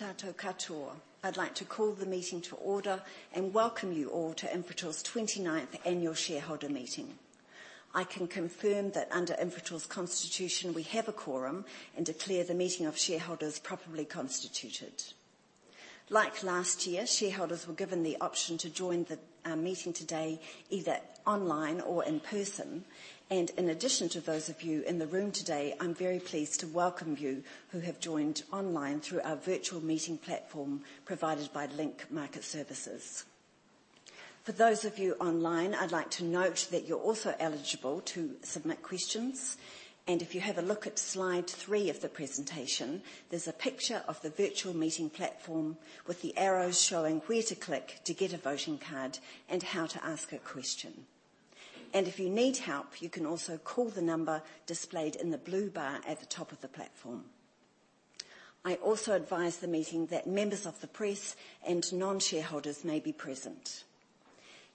Tēnā tātou katoa. I'd like to call the meeting to order, and welcome you all to Infratil's 29th annual shareholder meeting. I can confirm that under Infratil's constitution, we have a quorum, and declare the meeting of shareholders properly constituted. Like last year, shareholders were given the option to join the meeting today, either online or in person. In addition to those of you in the room today, I'm very pleased to welcome you who have joined online through our virtual meeting platform, provided by Link Market Services. For those of you online, I'd like to note that you're also eligible to submit questions, and if you have a look at slide 3 of the presentation, there's a picture of the virtual meeting platform with the arrows showing where to click to get a voting card and how to ask a question. If you need help, you can also call the number displayed in the blue bar at the top of the platform. I also advise the meeting that members of the press and non-shareholders may be present.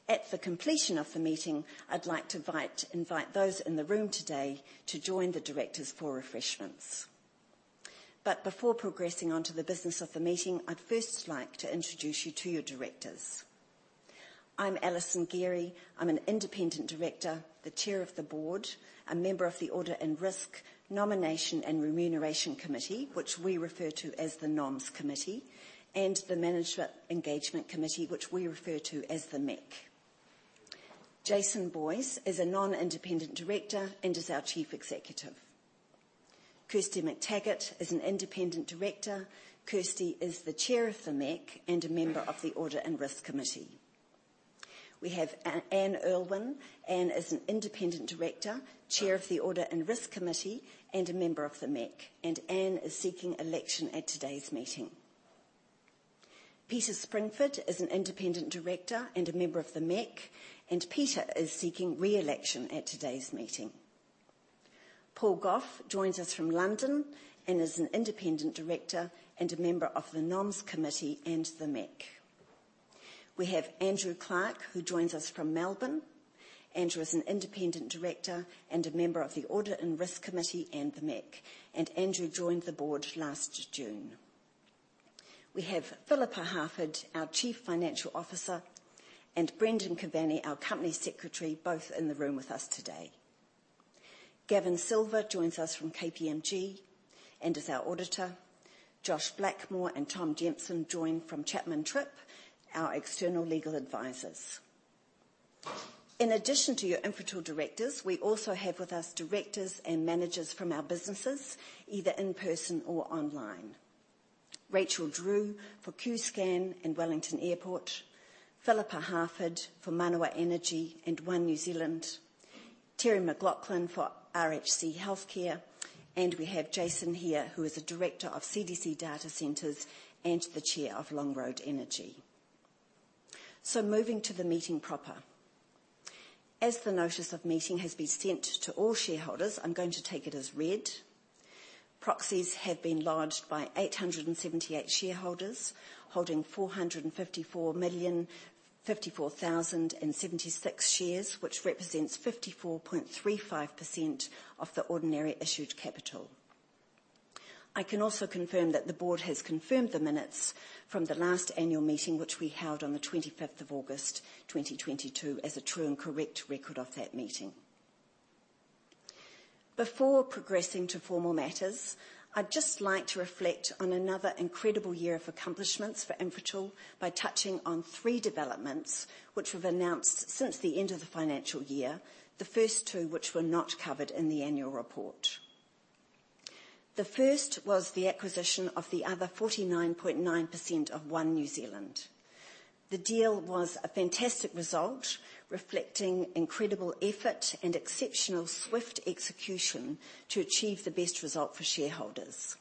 At the completion of the meeting, I'd like to invite those in the room today to join the directors for refreshments. Before progressing onto the business of the meeting, I'd first like to introduce you to your directors. I'm Alison Gerry. I'm an independent director, the Chair of the Board, a member of the Audit and Risk Nomination and Remuneration Committee, which we refer to as the Noms committee, and the Manager Engagement Committee, which we refer to as the MEC. Jason Boyes is a non-independent director and is our Chief Executive. Kirsty Mactaggart is an independent director. Kirsty is the Chair of the MEC and a member of the Audit and Risk Committee. We have Anne Urlwin. Anne is an independent director, Chair of the Audit and Risk Committee, and a member of the MEC. Anne is seeking election at today's meeting. Peter Springford is an independent director and a member of the MEC. Peter is seeking re-election at today's meeting. Paul Gough joins us from London and is an independent director and a member of the NomS Committee and the MEC. We have Andrew Clark, who joins us from Melbourne. Andrew is an independent director and a member of the Audit and Risk Committee and the MEC. Andrew joined the board last June. We have Phillippa Harford, our Chief Financial Officer, and Brendan Kevany, our Company Secretary, both in the room with us today. Gavin Silva joins us from KPMG and is our auditor. Josh Blackmore and Tom Jemson join from Chapman Tripp, our external legal advisors. In addition to your Infratil directors, we also have with us directors and managers from our businesses, either in person or online. Rachel Drew for Qscan and Wellington Airport, Phillippa Harford for Manawa Energy and One New Zealand, Terry McLaughlin for RHC Healthcare, and we have Jason here, who is a director of CDC Data Centres and the chair of Longroad Energy. Moving to the meeting proper. As the notice of meeting has been sent to all shareholders, I'm going to take it as read. Proxies have been lodged by 878 shareholders, holding 454,054,076 shares, which represents 54.35% of the ordinary issued capital. I can also confirm that the board has confirmed the minutes from the last annual meeting, which we held on the 25th of August, 2022, as a true and correct record of that meeting. Before progressing to formal matters, I'd just like to reflect on another incredible year of accomplishments for Infratil by touching on three developments, which we've announced since the end of the financial year, the first two, which were not covered in the annual report. The first was the acquisition of the other 49.9% of One New Zealand. The deal was a fantastic result, reflecting incredible effort and exceptional, swift execution to achieve the best result for shareholders.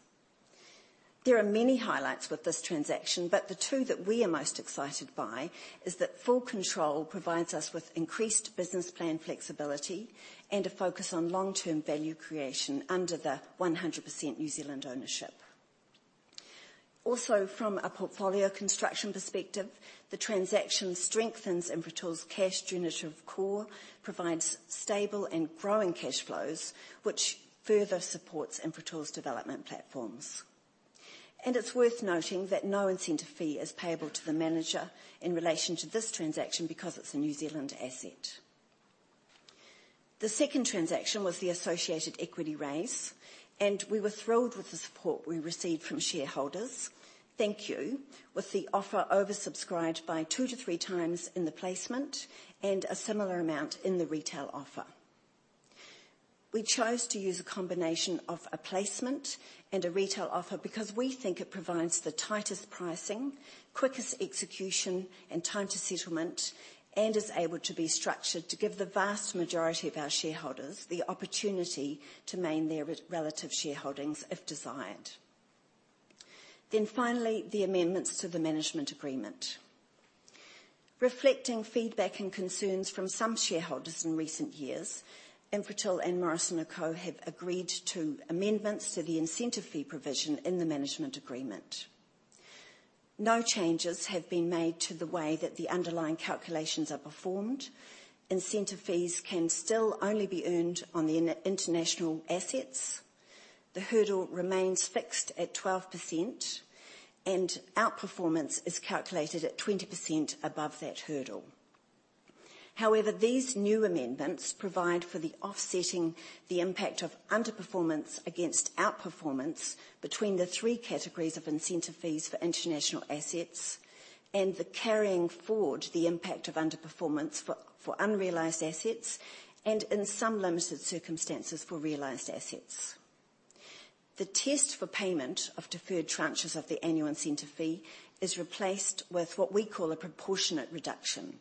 There are many highlights with this transaction, but the two that we are most excited by is that full control provides us with increased business plan flexibility and a focus on long-term value creation under the 100% New Zealand ownership. From a portfolio construction perspective, the transaction strengthens Infratil's cash generative core, provides stable and growing cash flows, which further supports Infratil's development platforms. It's worth noting that no incentive fee is payable to the manager in relation to this transaction, because it's a New Zealand asset. The second transaction was the associated equity raise, we were thrilled with the support we received from shareholders. Thank you. With the offer oversubscribed by 2-3 times in the placement and a similar amount in the retail offer. We chose to use a combination of a placement and a retail offer because we think it provides the tightest pricing, quickest execution, and time to settlement, and is able to be structured to give the vast majority of our shareholders the opportunity to maintain their relative shareholdings, if desired. Finally, the amendments to the management agreement. Reflecting feedback and concerns from some shareholders in recent years, Infratil and Morrison & Co. have agreed to amendments to the incentive fee provision in the management agreement. No changes have been made to the way that the underlying calculations are performed. Incentive fees can still only be earned on the international assets. The hurdle remains fixed at 12%, and outperformance is calculated at 20% above that hurdle. These new amendments provide for the offsetting the impact of underperformance against outperformance between the three categories of incentive fees for international assets, and the carrying forward the impact of underperformance for unrealized assets, and in some limited circumstances, for realized assets. The test for payment of deferred tranches of the annual incentive fee is replaced with what we call a proportionate reduction.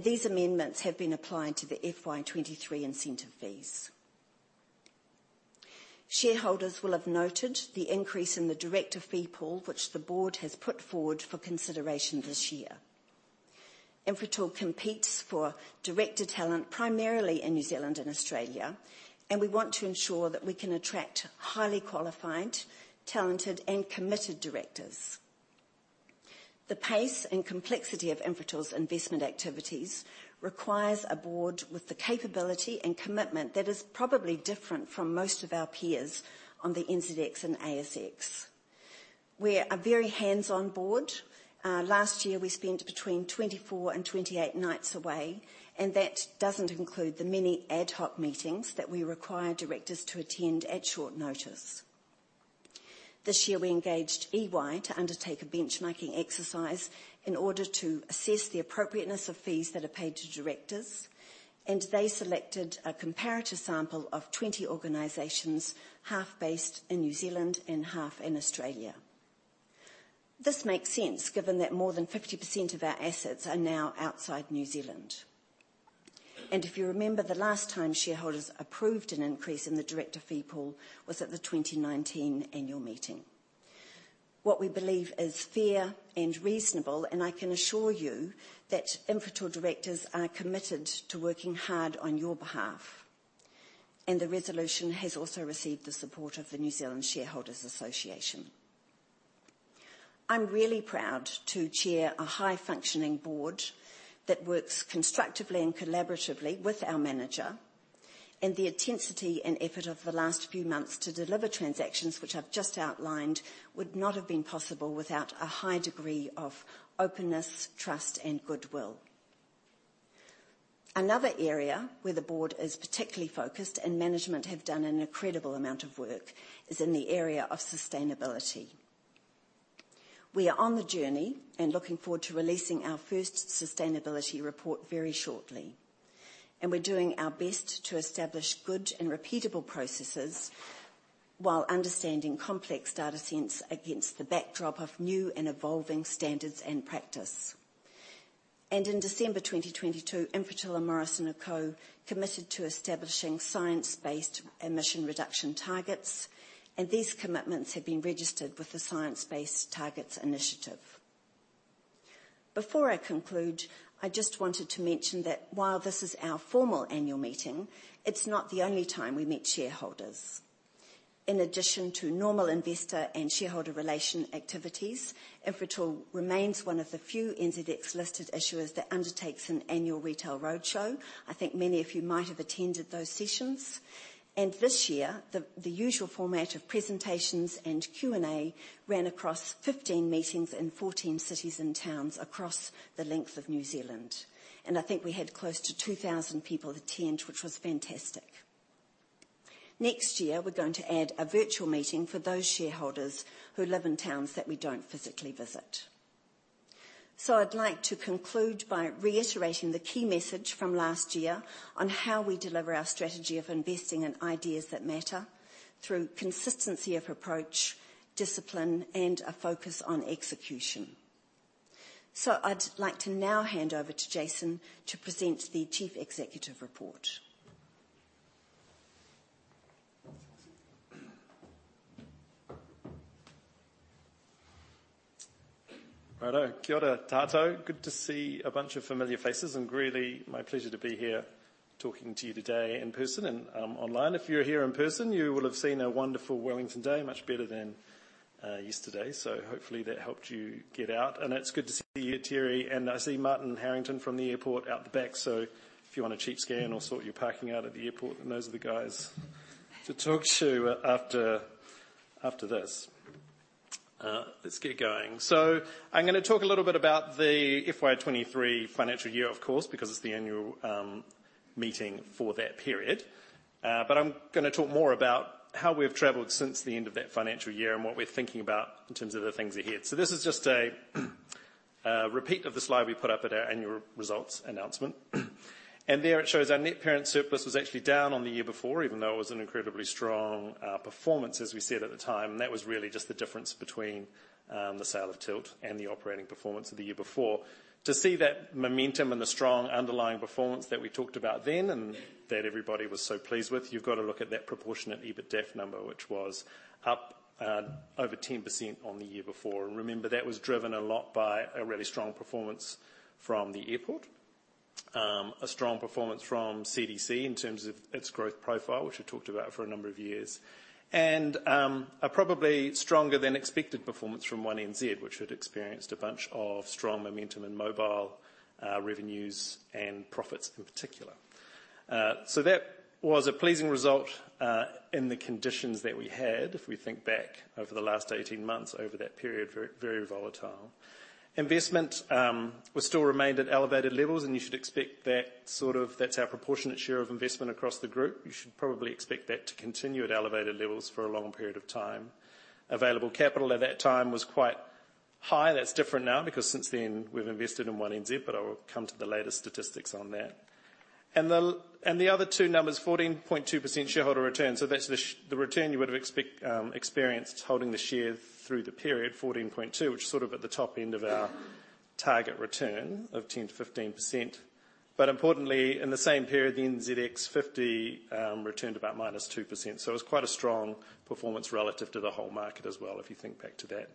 These amendments have been applied to the FY23 incentive fees. Shareholders will have noted the increase in the director fee pool, which the board has put forward for consideration this year. Infratil competes for director talent, primarily in New Zealand and Australia. We want to ensure that we can attract highly qualified, talented, and committed directors. The pace and complexity of Infratil's investment activities requires a board with the capability and commitment that is probably different from most of our peers on the NZX and ASX. We're a very hands-on board. Last year we spent between 24 and 28 nights away, and that doesn't include the many ad hoc meetings that we require directors to attend at short notice. This year, we engaged EY to undertake a benchmarking exercise in order to assess the appropriateness of fees that are paid to directors, and they selected a comparator sample of 20 organizations, half based in New Zealand and half in Australia. This makes sense, given that more than 50% of our assets are now outside New Zealand. If you remember, the last time shareholders approved an increase in the director fee pool was at the 2019 annual meeting. What we believe is fair and reasonable, and I can assure you that Infratil directors are committed to working hard on your behalf, and the resolution has also received the support of the New Zealand Shareholders' Association. I'm really proud to chair a high-functioning board that works constructively and collaboratively with our manager, and the intensity and effort over the last few months to deliver transactions which I've just outlined, would not have been possible without a high degree of openness, trust, and goodwill. Another area where the board is particularly focused, and management have done an incredible amount of work, is in the area of sustainability. We are on the journey and looking forward to releasing our first sustainability report very shortly. We're doing our best to establish good and repeatable processes while understanding complex data sets against the backdrop of new and evolving standards and practice. In December 2022, Infratil and Morrison & Co committed to establishing science-based emission reduction targets, and these commitments have been registered with the Science Based Targets initiative. Before I conclude, I just wanted to mention that while this is our formal annual meeting, it's not the only time we meet shareholders. In addition to normal investor and shareholder relation activities, Infratil remains one of the few NZX-listed issuers that undertakes an annual retail roadshow. I think many of you might have attended those sessions. This year, the usual format of presentations and Q&A ran across 15 meetings in 14 cities and towns across the length of New Zealand. I think we had close to 2,000 people attend, which was fantastic. Next year, we're going to add a virtual meeting for those shareholders who live in towns that we don't physically visit. I'd like to conclude by reiterating the key message from last year on how we deliver our strategy of investing in ideas that matter, through consistency of approach, discipline, and a focus on execution. I'd like to now hand over to Jason to present the Chief Executive report. Right-o. Kia ora tātou. Good to see a bunch of familiar faces, really my pleasure to be here talking to you today in person and online. If you're here in person, you will have seen a wonderful Wellington day, much better than yesterday, so hopefully that helped you get out. It's good to see you, Terry, and I see Martin Harrington from the airport out the back. If you want a cheap scan or sort your parking out at the airport, then those are the guys to talk to after this. Let's get going. I'm gonna talk a little bit about the FY23 financial year, of course, because it's the annual meeting for that period. I'm gonna talk more about how we've traveled since the end of that financial year and what we're thinking about in terms of the things ahead. This is just a, a repeat of the slide we put up at our annual results announcement. There it shows our net parent surplus was actually down on the year before, even though it was an incredibly strong performance, as we said at the time, and that was really just the difference between the sale of Tilt and the operating performance of the year before. To see that momentum and the strong underlying performance that we talked about then, and that everybody was so pleased with, you've got to look at that proportionate EBITDAF number, which was up over 10% on the year before. Remember, that was driven a lot by a really strong performance from the airport, a strong performance from CDC in terms of its growth profile, which we've talked about for a number of years. A probably stronger than expected performance from One NZ, which had experienced a bunch of strong momentum in mobile revenues and profits in particular. That was a pleasing result in the conditions that we had. If we think back over the last 18 months, over that period, very, very volatile. Investment, we still remined at elevated levels, and you should expect that's our proportionate share of investment across the group. You should probably expect that to continue at elevated levels for a long period of time. Available capital at that time was quite high. That's different now, because since then, we've invested in One NZ, but I will come to the latest statistics on that. The other two numbers, 14.2% shareholder return. That's the return you would have expect experienced holding the share through the period, 14.2, which is sort of at the top end of our target return of 10%-15%. Importantly, in the same period, the NZX 50 returned about -2%, so it was quite a strong performance relative to the whole market as well, if you think back to that.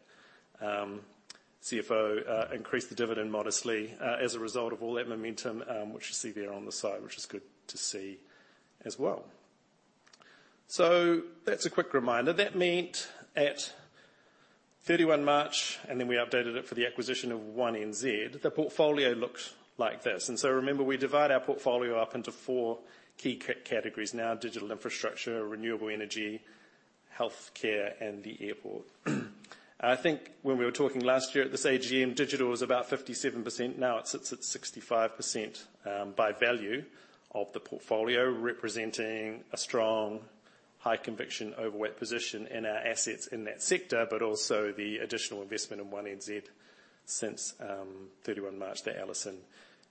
CFO increased the dividend modestly as a result of all that momentum, which you see there on the side, which is good to see as well. That's a quick reminder. That meant at 31 March, and then we updated it for the acquisition of One NZ, the portfolio looked like this. So remember, we divide our portfolio up into four key categories now: digital infrastructure, renewable energy, healthcare, and the airport. I think when we were talking last year at this AGM, digital was about 57%. Now it sits at 65%, by value of the portfolio, representing a strong, high conviction, overweight position in our assets in that sector, but also the additional investment in One NZ since, 31 March that Alison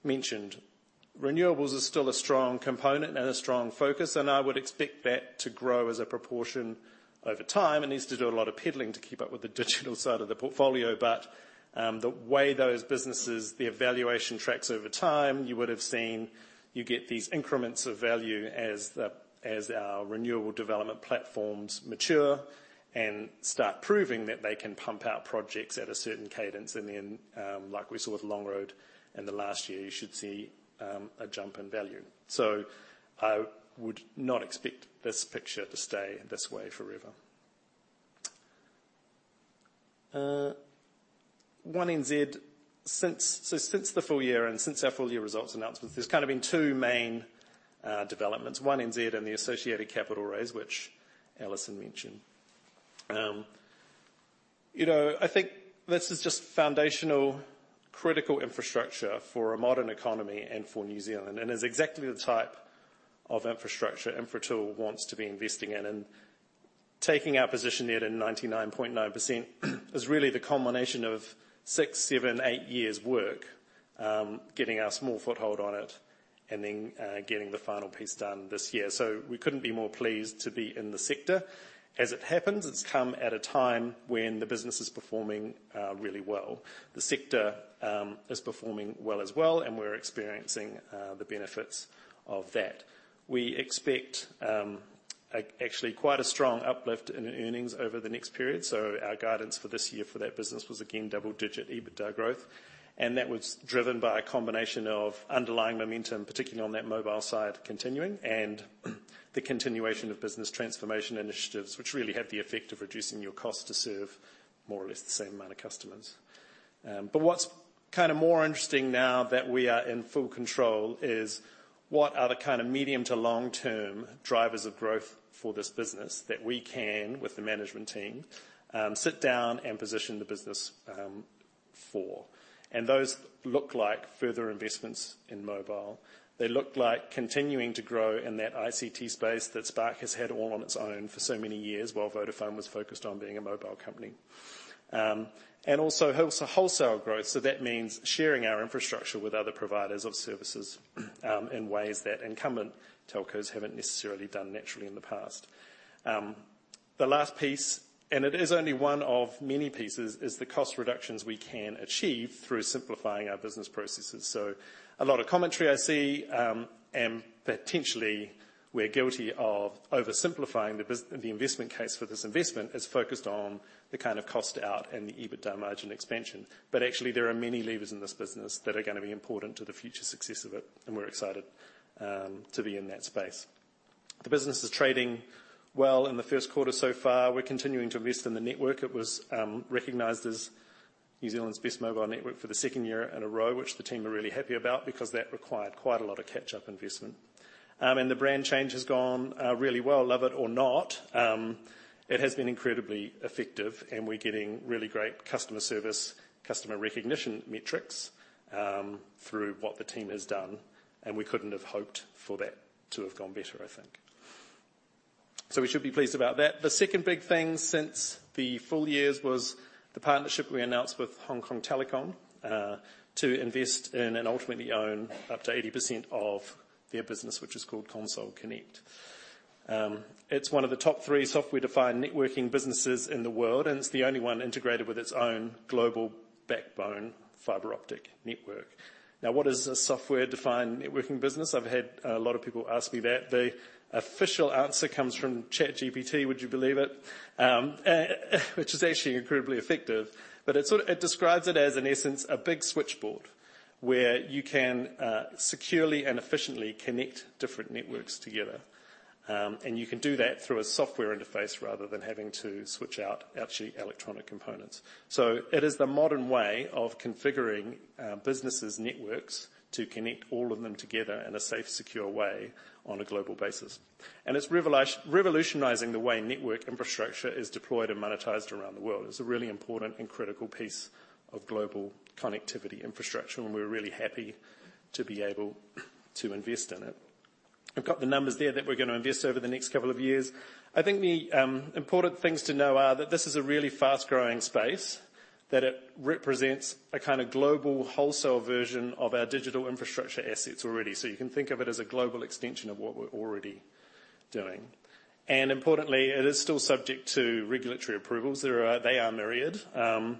mentioned. Renewables is still a strong component and a strong focus, and I would expect that to grow as a proportion over time. It needs to do a lot of peddling to keep up with the digital side of the portfolio, but the way those businesses, the valuation tracks over time, you would have seen you get these increments of value as our renewable development platforms mature and start proving that they can pump out projects at a certain cadence. Like we saw with Longroad in the last year, you should see a jump in value. I would not expect this picture to stay this way forever. One NZ, since since the full year and since our full-year results announcement, there's kind of been two main developments: One NZ and the associated capital raise, which Alison mentioned. You know, I think this is just foundational, critical infrastructure for a modern economy and for New Zealand, and is exactly the type of infrastructure Infratil wants to be investing in. Taking our position there to 99.9% is really the culmination of six, seven, eight years work, getting our small foothold on it and then, getting the final piece done this year. We couldn't be more pleased to be in the sector. As it happens, it's come at a time when the business is performing really well. The sector is performing well as well, and we're experiencing the benefits of that. We expect actually quite a strong uplift in earnings over the next period. Our guidance for this year for that business was, again, double-digit EBITDA growth, and that was driven by a combination of underlying momentum, particularly on that mobile side, continuing, and the continuation of business transformation initiatives, which really have the effect of reducing your cost to serve more or less the same amount of customers. What's kind of more interesting now that we are in full control is what are the kind of medium to long-term drivers of growth for this business that we can, with the management team, sit down and position the business for? Those look like further investments in mobile. They look like continuing to grow in that ICT space that Spark has had all on its own for so many years, while Vodafone was focused on being a mobile company. Also wholesale growth, so that means sharing our infrastructure with other providers of services, in ways that incumbent telcos haven't necessarily done naturally in the past. The last piece, and it is only one of many pieces, is the cost reductions we can achieve through simplifying our business processes. A lot of commentary I see, and potentially, we're guilty of oversimplifying the investment case for this investment, is focused on the kind of cost out and the EBITDA margin expansion. Actually, there are many levers in this business that are gonna be important to the future success of it, and we're excited to be in that space. The business is trading well in the first quarter so far. We're continuing to invest in the network. It was recognized as New Zealand's best mobile network for the second year in a row, which the team are really happy about, because that required quite a lot of catch-up investment. The brand change has gone really well. Love it or not, it has been incredibly effective, and we're getting really great customer service, customer recognition metrics, through what the team has done, and we couldn't have hoped for that to have gone better, I think. We should be pleased about that. The second big thing since the full years was the partnership we announced with Hong Kong Telecom to invest in and ultimately own up to 80% of their business, which is called Console Connect. It's one of the top three software-defined networking businesses in the world, and it's the only one integrated with its own global backbone fiber optic network. Now, what is a software-defined networking business? I've had a lot of people ask me that. The official answer comes from ChatGPT, would you believe it? Which is actually incredibly effective, but it describes it as, in essence, a big switchboard, where you can securely and efficiently connect different networks together. You can do that through a software interface rather than having to switch out actually electronic components. It is the modern way of configuring businesses' networks to connect all of them together in a safe, secure way on a global basis. It's revolutionizing the way network infrastructure is deployed and monetized around the world. It's a really important and critical piece of global connectivity infrastructure, and we're really happy to be able to invest in it. I've got the numbers there that we're gonna invest over the next couple of years. I think the, important things to know are that this is a really fast-growing space, that it represents a kind of global wholesale version of our digital infrastructure assets already. You can think of it as a global extension of what we're already doing. Importantly, it is still subject to regulatory approvals. They are myriad, and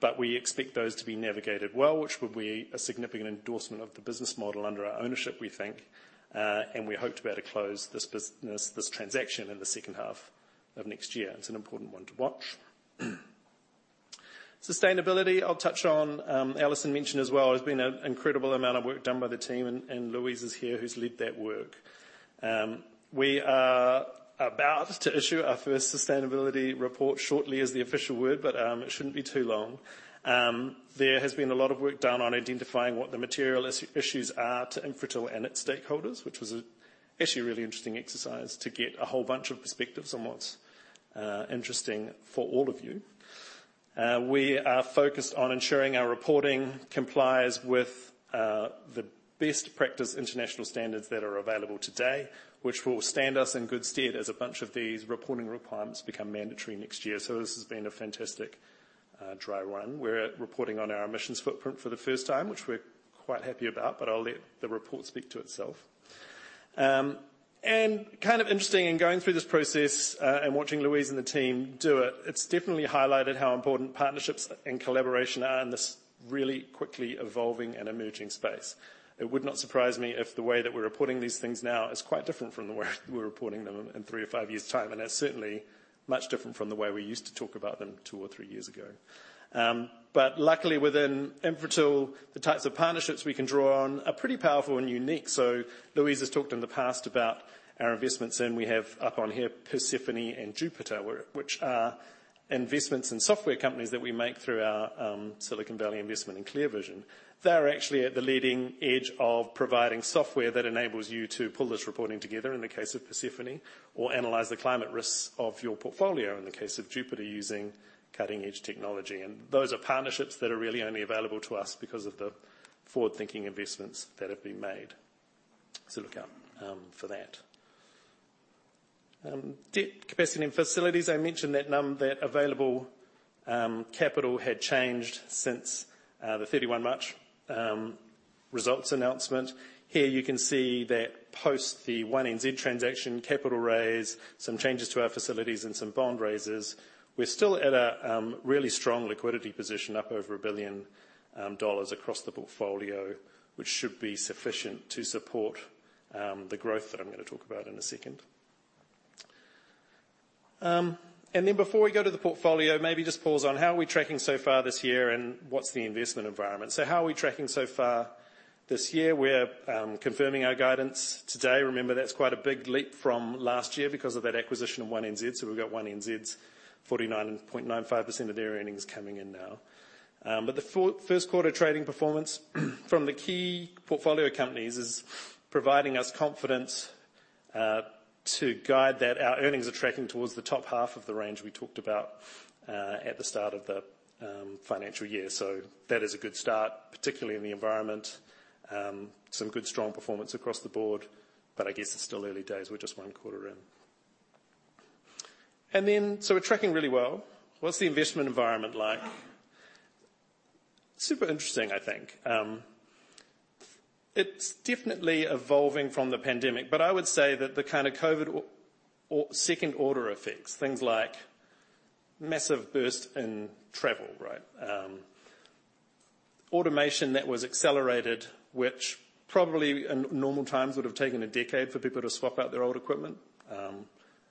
but we expect those to be navigated well, which would be a significant endorsement of the business model under our ownership, we think. We hope to be able to close this business, this transaction, in the second half of next year. It's an important one to watch. Sustainability, I'll touch on. Alison mentioned as well, there's been an incredible amount of work done by the team, and, and Louise is here, who's led that work. We are about to issue our first sustainability report shortly, is the official word, but it shouldn't be too long. There has been a lot of work done on identifying what the material issues are to Infratil and its stakeholders, which was a actually really interesting exercise to get a whole bunch of perspectives on what's interesting for all of you. We are focused on ensuring our reporting complies with the best practice international standards that are available today, which will stand us in good stead as a bunch of these reporting requirements become mandatory next year. This has been a fantastic dry run. We're reporting on our emissions footprint for the first time, which we're quite happy about, but I'll let the report speak to itself. Kind of interesting in going through this process, and watching Louise and the team do it, it's definitely highlighted how important partnerships and collaboration are in this really quickly evolving and emerging space. It would not surprise me if the way that we're reporting these things now is quite different from the way we're reporting them in three or five years' time, and it's certainly much different from the way we used to talk about them two or three years ago. Luckily, within Infratil, the types of partnerships we can draw on are pretty powerful and unique. Louise has talked in the past about our investments, and we have up on here, Persefoni and Jupiter, which are investments in software companies that we make through our Silicon Valley investment in Clearvision. They're actually at the leading edge of providing software that enables you to pull this reporting together, in the case of Persefoni, or analyze the climate risks of your portfolio, in the case of Jupiter, using cutting-edge technology. Those are partnerships that are really only available to us because of the forward-thinking investments that have been made. Look out for that. Debt capacity and facilities. I mentioned that available capital had changed since the 31 March results announcement. Here, you can see that post the OneNZ transaction capital raise, some changes to our facilities and some bond raises. We're still at a really strong liquidity position, up over 1 billion dollars across the portfolio, which should be sufficient to support the growth that I'm gonna talk about in a second. Before we go to the portfolio, maybe just pause on how are we tracking so far this year, and what's the investment environment? How are we tracking so far this year? We're confirming our guidance today. Remember, that's quite a big leap from last year because of that acquisition of One NZ, so we've got One NZ's 49.95% of their earnings coming in now. The first quarter trading performance from the key portfolio companies is providing us confidence to guide that our earnings are tracking towards the top half of the range we talked about at the start of the financial year. That is a good start, particularly in the environment. Some good, strong performance across the board, I guess it's still early days. We're just one quarter in. We're tracking really well. What's the investment environment like? Super interesting, I think. It's definitely evolving from the pandemic, but I would say that the kind of COVID or, or second order effects, things like massive burst in travel, right? Automation that was accelerated, which probably in normal times would have taken a decade for people to swap out their old equipment.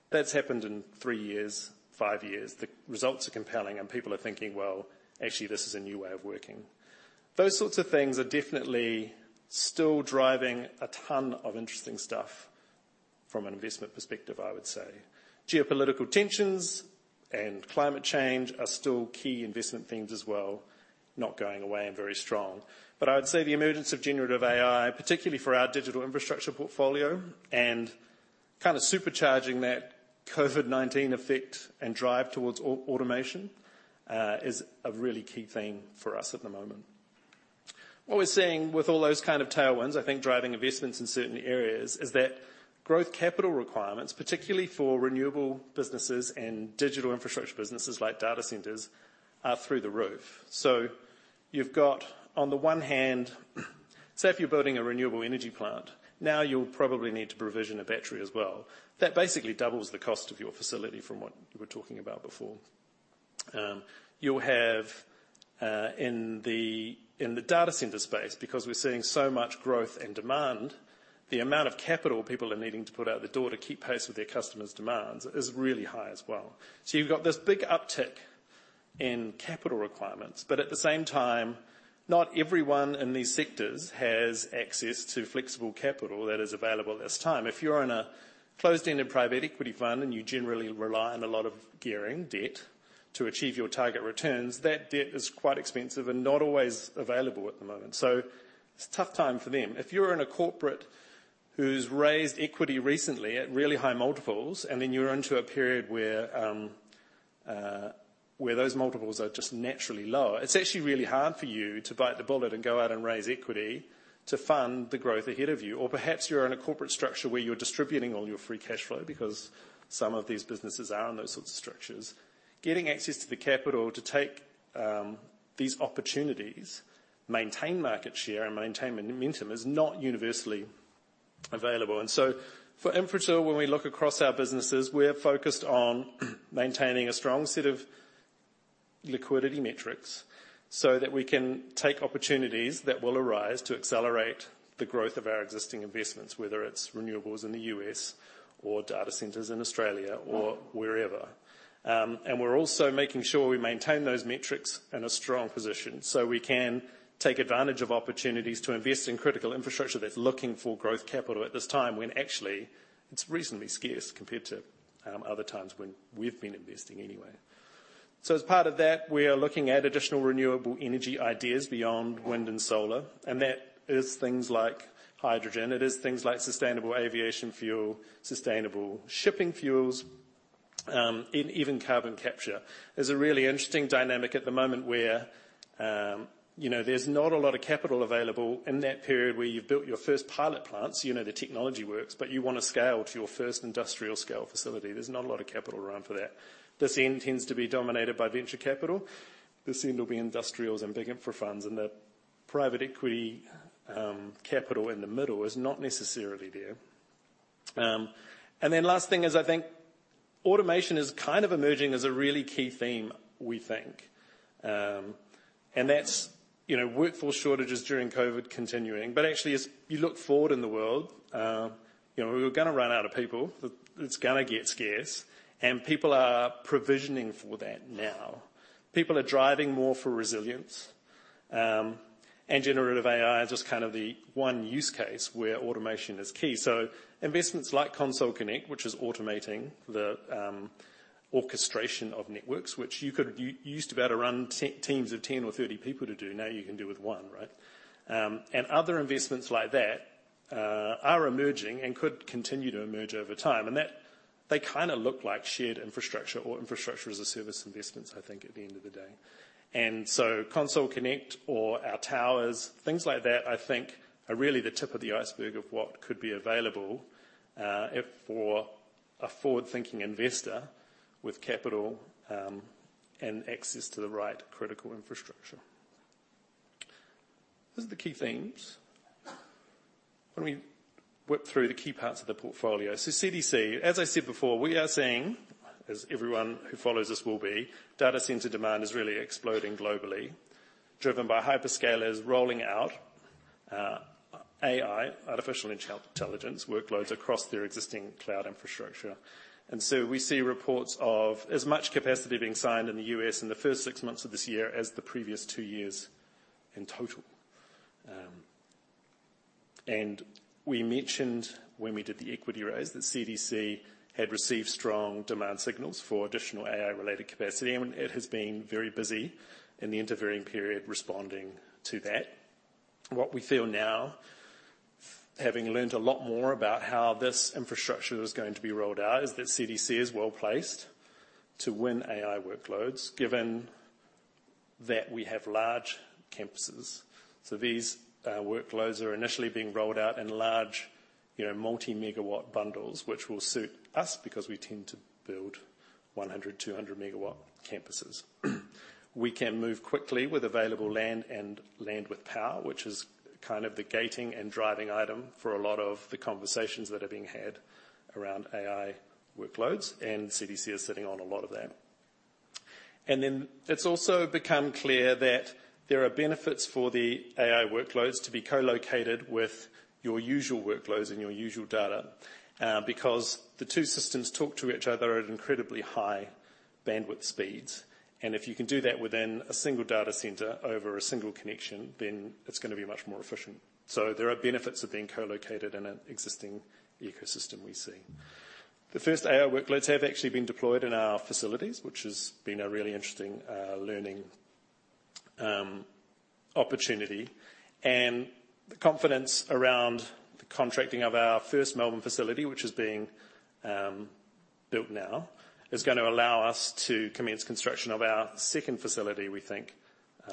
That's happened in three years, five years. The results are compelling, and people are thinking: "Well, actually, this is a new way of working." Those sorts of things are definitely still driving a ton of interesting stuff from an investment perspective, I would say. Geopolitical tensions and climate change are still key investment themes as well, not going away and very strong. I'd say the emergence of Generative AI, particularly for our digital infrastructure portfolio, and kind of supercharging that COVID-19 effect and drive towards automation, is a really key theme for us at the moment. What we're seeing with all those kind of tailwinds, I think, driving investments in certain areas, is that growth capital requirements, particularly for renewable businesses and digital infrastructure businesses like data centers, are through the roof. You've got, on the one hand, say, if you're building a renewable energy plant, now you'll probably need to provision a battery as well. That basically doubles the cost of your facility from what we were talking about before.... You'll have, in the data center space, because we're seeing so much growth and demand, the amount of capital people are needing to put out the door to keep pace with their customers' demands is really high as well. You've got this big uptick in capital requirements, but at the same time, not everyone in these sectors has access to flexible capital that is available at this time. If you're in a closed-ended private equity fund, and you generally rely on a lot of gearing debt to achieve your target returns, that debt is quite expensive and not always available at the moment. It's a tough time for them. If you're in a corporate who's raised equity recently at really high multiples, and then you're into a period where, where those multiples are just naturally lower, it's actually really hard for you to bite the bullet and go out and raise equity to fund the growth ahead of you. Perhaps you're in a corporate structure where you're distributing all your free cash flow, because some of these businesses are in those sorts of structures. Getting access to the capital to take these opportunities, maintain market share, and maintain momentum is not universally available. For Infratil, when we look across our businesses, we're focused on maintaining a strong set of liquidity metrics so that we can take opportunities that will arise to accelerate the growth of our existing investments, whether it's renewables in the US, or data centers in Australia, or wherever. And we're also making sure we maintain those metrics in a strong position, so we can take advantage of opportunities to invest in critical infrastructure that's looking for growth capital at this time, when actually it's reasonably scarce compared to other times when we've been investing anyway. As part of that, we are looking at additional renewable energy ideas beyond wind and solar, and that is things like hydrogen. It is things like sustainable aviation fuel, sustainable shipping fuels, even carbon capture. There's a really interesting dynamic at the moment where, you know, there's not a lot of capital available in that period where you've built your first pilot plants. You know the technology works, but you want to scale to your first industrial scale facility. There's not a lot of capital around for that. This end tends to be dominated by venture capital. This end will be industrials and bigger for funds, and the private equity capital in the middle is not necessarily there. Then last thing is, I think automation is kind of emerging as a really key theme, we think. That's, you know, workforce shortages during COVID continuing. Actually, as you look forward in the world, you know, we're gonna run out of people. It's gonna get scarce, and people are provisioning for that now. People are driving more for resilience, and generative AI is just kind of the one use case where automation is key. Investments like Console Connect, which is automating the orchestration of networks, which you used to be able to run teams of 10 or 30 people to do, now you can do with one, right? Other investments like that are emerging and could continue to emerge over time, and that, they kind of look like shared infrastructure or infrastructure as a service investments, I think, at the end of the day. So Console Connect or our towers, things like that, I think are really the tip of the iceberg of what could be available, if for a forward-thinking investor with capital, and access to the right critical infrastructure. Those are the key themes. When we whip through the key parts of the portfolio. CDC, as I said before, we are seeing, as everyone who follows us will be, data center demand is really exploding globally, driven by hyperscalers rolling out, AI, artificial intelligence workloads across their existing cloud infrastructure. So we see reports of as much capacity being signed in the U.S. in the first 6 months of this year as the previous two years in total. And we mentioned when we did the equity raise, that CDC had received strong demand signals for additional AI-related capacity, and it has been very busy in the intervening period responding to that. What we feel now, having learnt a lot more about how this infrastructure is going to be rolled out, is that CDC is well-placed to win AI workloads, given that we have large campuses. These workloads are initially being rolled out in large, you know, multi-megawatt bundles, which will suit us because we tend to build 100, 200 megawatt campuses. We can move quickly with available land and land with power, which is kind of the gating and driving item for a lot of the conversations that are being had around AI workloads. CDC is sitting on a lot of that. Then it's also become clear that there are benefits for the AI workloads to be co-located with your usual workloads and your usual data because the two systems talk to each other at incredibly high bandwidth speeds. If you can do that within a single data center over a single connection, then it's gonna be much more efficient. There are benefits of being co-located in an existing ecosystem we see. The first AI workloads have actually been deployed in our facilities, which has been a really interesting learning opportunity. The confidence around the contracting of our first Melbourne facility, which is being built now, is gonna allow us to commence construction of our second facility, we think,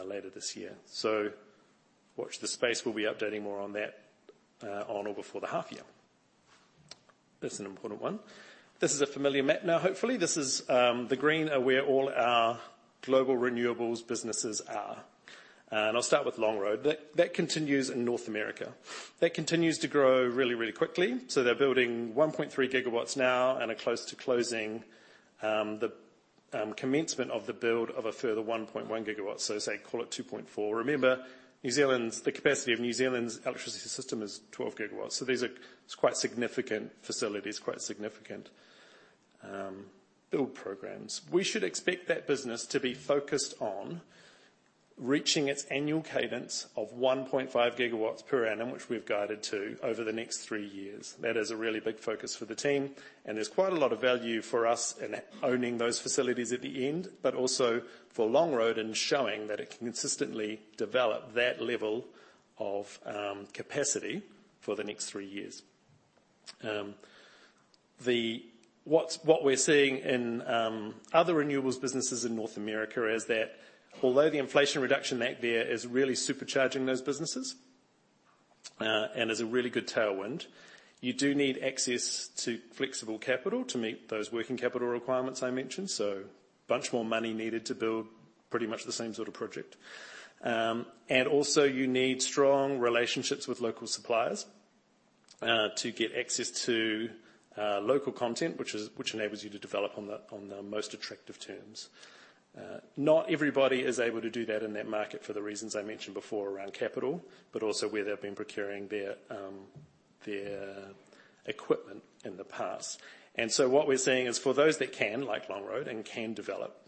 later this year. Watch this space. We'll be updating more on that on or before the half year. This is an important one. This is a familiar map. Now, hopefully, this is the green are where all our global renewables businesses are. I'll start with Longroad. That, that continues in North America. That continues to grow really, really quickly. They're building 1.3 GW now and are close to closing the commencement of the build of a further 1.1 GW. Say, call it 2.4. Remember, New Zealand's capacity of New Zealand's electricity system is 12 GW, so these are quite significant facilities, quite significant build programs. We should expect that business to be focused on reaching its annual cadence of 1.5 GW per annum, which we've guided to over the next three years. That is a really big focus for the team, and there's quite a lot of value for us in owning those facilities at the end, but also for Longroad and showing that it can consistently develop that level of capacity for the next three years. What we're seeing in other renewables businesses in North America is that although the Inflation Reduction Act there is really supercharging those businesses, and is a really good tailwind, you do need access to flexible capital to meet those working capital requirements I mentioned. A bunch more money needed to build pretty much the same sort of project. Also you need strong relationships with local suppliers to get access to local content, which is, which enables you to develop on the most attractive terms. Not everybody is able to do that in that market for the reasons I mentioned before around capital, but also where they've been procuring their equipment in the past. What we're seeing is for those that can, like Longroad, and can develop,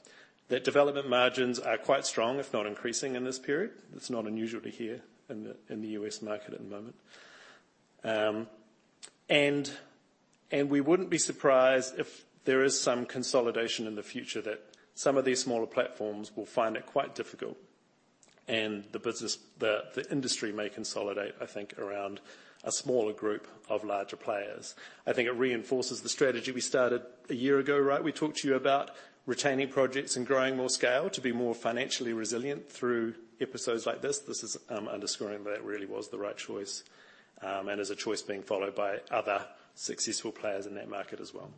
their development margins are quite strong, if not increasing in this period. It's not unusual to hear in the U.S. market at the moment. We wouldn't be surprised if there is some consolidation in the future, that some of these smaller platforms will find it quite difficult. The business, the industry may consolidate, I think, around a smaller group of larger players. I think it reinforces the strategy we started a year ago, right? We talked to you about retaining projects and growing more scale to be more financially resilient through episodes like this. This is underscoring that it really was the right choice and is a choice being followed by other successful players in that market as well.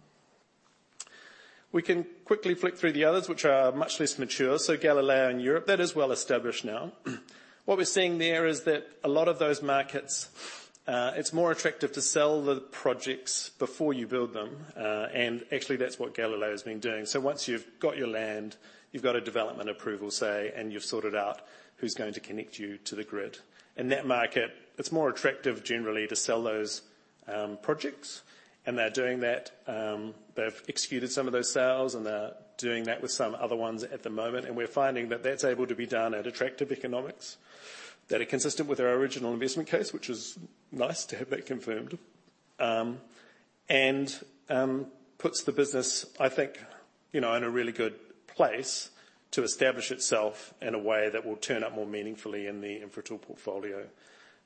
We can quickly flick through the others, which are much less mature. Galileo in Europe, that is well established now. What we're seeing there is that a lot of those markets, it's more attractive to sell the projects before you build them. Actually, that's what Galileo has been doing. Once you've got your land, you've got a development approval, say, and you've sorted out who's going to connect you to the grid. In that market, it's more attractive generally to sell those projects, and they're doing that. They've executed some of those sales, and they're doing that with some other ones at the moment. We're finding that that's able to be done at attractive economics that are consistent with our original investment case, which is nice to have that confirmed. Puts the business, I think, you know, in a really good place to establish itself in a way that will turn up more meaningfully in the Infratil portfolio.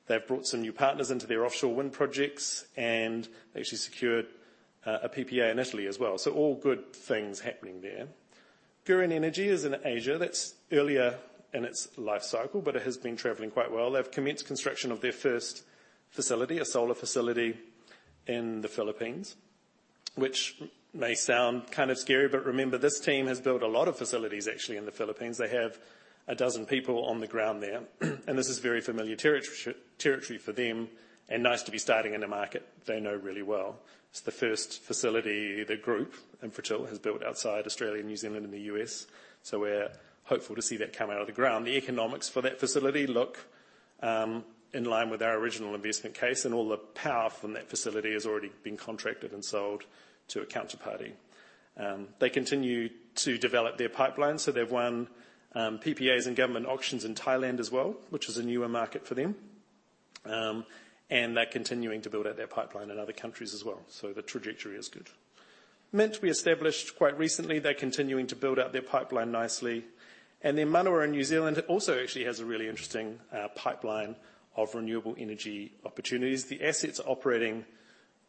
They've brought some new partners into their offshore wind projects and actually secured a PPA in Italy as well. All good things happening there. Gurīn Energy is in Asia. That's earlier in its life cycle, but it has been traveling quite well. They've commenced construction of their first facility, a solar facility in the Philippines, which may sound kind of scary, but remember, this team has built a lot of facilities actually in the Philippines. They have 12 people on the ground there, and this is very familiar territory for them, and nice to be starting in a market they know really well. It's the first facility the group, Infratil, has built outside Australia, New Zealand, and the US, so we're hopeful to see that come out of the ground. The economics for that facility look in line with our original investment case, and all the power from that facility has already been contracted and sold to a counterparty. They continue to develop their pipeline, so they've won PPAs and government auctions in Thailand as well, which is a newer market for them. They're continuing to build out their pipeline in other countries as well. The trajectory is good. Mint we established quite recently. They're continuing to build out their pipeline nicely. Manawa in New Zealand also actually has a really interesting pipeline of renewable energy opportunities. The asset's operating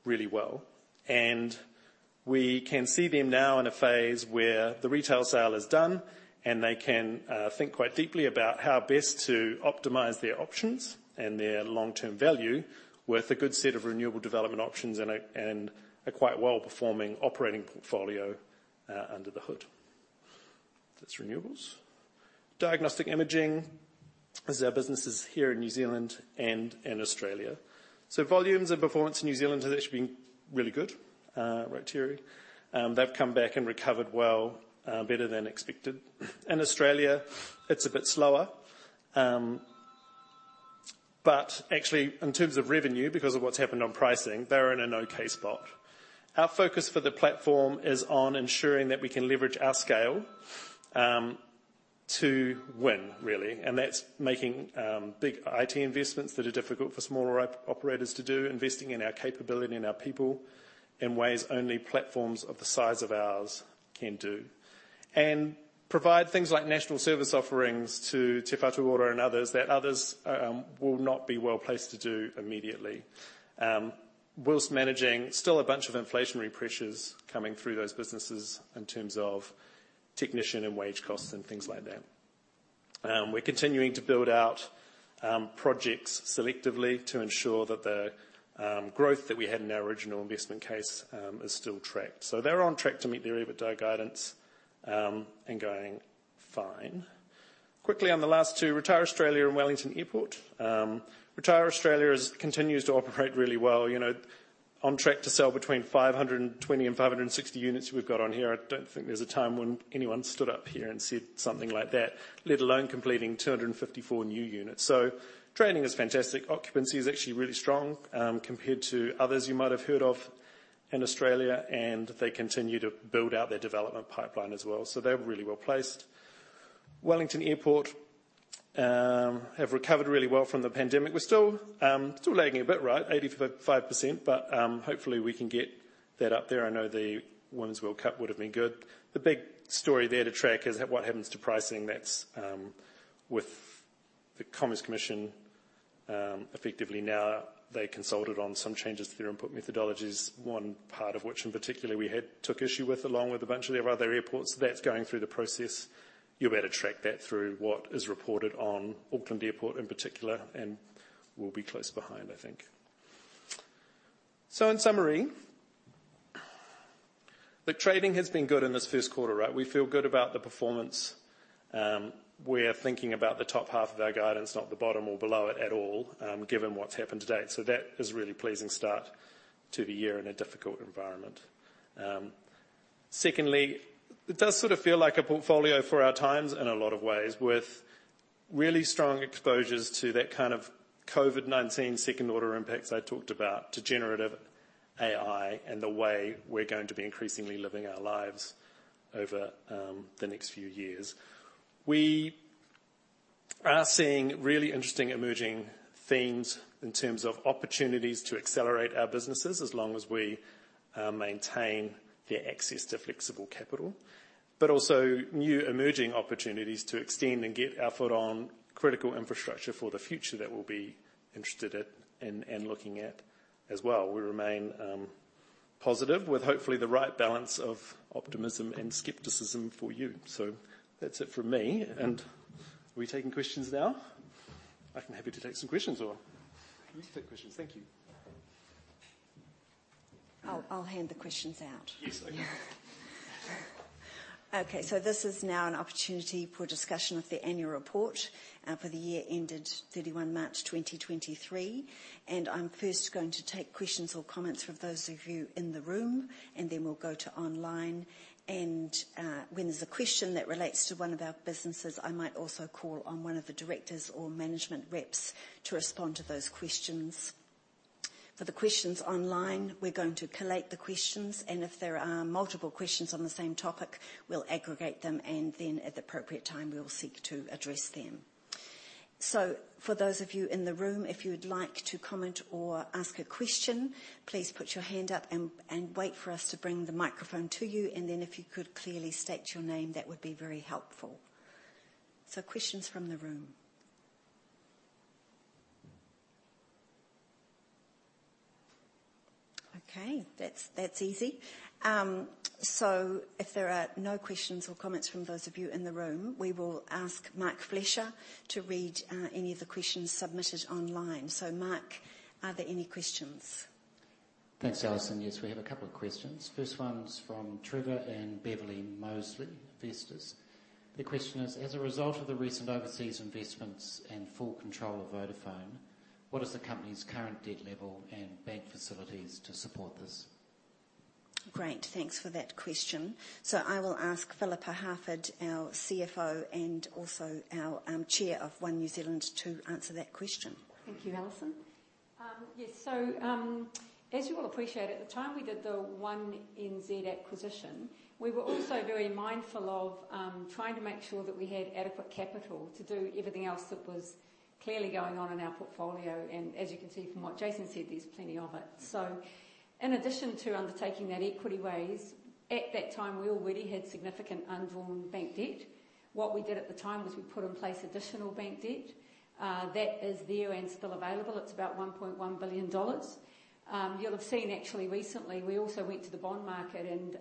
really well, and we can see them now in a phase where the retail sale is done, and they can think quite deeply about how best to optimize their options and their long-term value with a good set of renewable development options and a, and a quite well-performing operating portfolio under the hood. That's renewables. Diagnostic Imaging is our businesses here in New Zealand and in Australia. Volumes and performance in New Zealand have actually been really good, right, Terry McLaughlin? They've come back and recovered well, better than expected. In Australia, it's a bit slower. Actually, in terms of revenue, because of what's happened on pricing, they're in an okay spot. Our focus for the platform is on ensuring that we can leverage our scale to win, really. That's making big IT investments that are difficult for smaller operators to do, investing in our capability and our people in ways only platforms of the size of ours can do. Provide things like national service offerings to Te Whatu Ora and others, that others will not be well-placed to do immediately. Whilst managing still a bunch of inflationary pressures coming through those businesses in terms of technician and wage costs and things like that. We're continuing to build out projects selectively to ensure that the growth that we had in our original investment case is still tracked. They're on track to meet their EBITDA guidance and going fine. Quickly on the last two, RetireAustralia and Wellington Airport. RetireAustralia is, continues to operate really well, you know, on track to sell between 520 and 560 units we've got on here. I don't think there's a time when anyone stood up here and said something like that, let alone completing 254 new units. Trading is fantastic. Occupancy is actually really strong, compared to others you might have heard of in Australia, and they continue to build out their development pipeline as well. They're really well placed. Wellington Airport have recovered really well from the pandemic. We're still, still lagging a bit, right, 85%, but hopefully we can get that up there. I know the Women's World Cup would have been good. The big story there to track is what happens to pricing. That's with the Commerce Commission effectively now. They consulted on some changes to their input methodologies, one part of which in particular we had took issue with, along with a bunch of the other airports. That's going through the process. You'll be able to track that through what is reported on Auckland Airport in particular, and we'll be close behind, I think. In summary, the trading has been good in this first quarter, right? We feel good about the performance. We're thinking about the top half of our guidance, not the bottom or below it at all, given what's happened to date. That is a really pleasing start to the year in a difficult environment. Secondly, it does sort of feel like a portfolio for our times in a lot of ways, with really strong exposures to that kind of COVID-19 second-order impacts I talked about, to generative AI, and the way we're going to be increasingly living our lives over the next few years. We are seeing really interesting emerging themes in terms of opportunities to accelerate our businesses, as long as we maintain the access to flexible capital, but also new emerging opportunities to extend and get our foot on critical infrastructure for the future that we'll be interested in, in looking at as well. We remain positive, with hopefully the right balance of optimism and skepticism for you. That's it for me. Are we taking questions now? I'm happy to take some questions or you take questions. Thank you. I'll, I'll hand the questions out. Yes, okay. Okay, this is now an opportunity for discussion of the annual report for the year ended 31 March 2023, and I'm first going to take questions or comments from those of you in the room, and then we'll go to online. When there's a question that relates to one of our businesses, I might also call on one of the directors or management reps to respond to those questions. For the questions online, we're going to collate the questions, and if there are multiple questions on the same topic, we'll aggregate them, and then at the appropriate time, we will seek to address them. For those of you in the room, if you would like to comment or ask a question, please put your hand up and, and wait for us to bring the microphone to you. Then if you could clearly state your name, that would be very helpful. Questions from the room. Okay, that's, that's easy. If there are no questions or comments from those of you in the room, we will ask Mark Fletcher to read any of the questions submitted online. Mark, are there any questions? Thanks, Alison. Yes, we have a couple of questions. First one's from Trevor and Beverly Mosley, investors. The question is: As a result of the recent overseas investments and full control of Vodafone, what is the company's current debt level and bank facilities to support this? Great, thanks for that question. I will ask Phillippa Harford, our CFO, and also our Chair of One New Zealand, to answer that question. Thank you, Alison. Yes. As you all appreciate, at the time we did the One NZ acquisition, we were also very mindful of trying to make sure that we had adequate capital to do everything else that was clearly going on in our portfolio. As you can see from what Jason said, there's plenty of it. In addition to undertaking that equity raise, at that time, we already had significant undrawn bank debt. What we did at the time was we put in place additional bank debt. That is there and still available. It's about 1.1 billion dollars. You'll have seen actually recently, we also went to the bond market and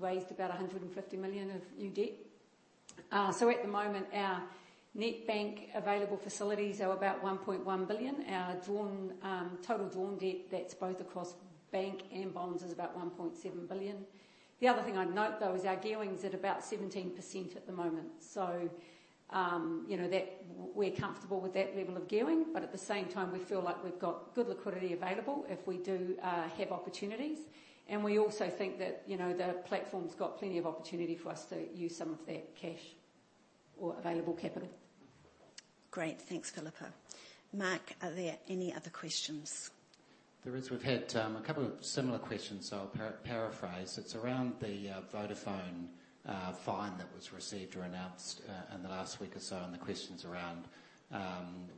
raised about 150 million of new debt. At the moment, our net bank available facilities are about 1.1 billion. Our drawn total drawn debt, that's both across bank and bonds, is about 1.7 billion. The other thing I'd note, though, is our gearing's at about 17% at the moment. You know, we're comfortable with that level of gearing, but at the same time, we feel like we've got good liquidity available if we do have opportunities. We also think that, you know, the platform's got plenty of opportunity for us to use some of that cash or available capital. Great. Thanks, Philippa. Mark, are there any other questions? There is. We've had a couple of similar questions, so I'll para- paraphrase. It's around the Vodafone fine that was received or announced in the last week or so, and the questions around